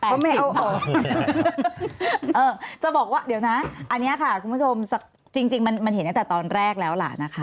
ก็ไม่เอาออกจะบอกว่าเดี๋ยวนะอันนี้ค่ะคุณผู้ชมจริงมันเห็นตั้งแต่ตอนแรกแล้วล่ะนะคะ